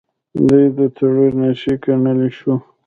د دوی ټرور نښې ګڼلی شو.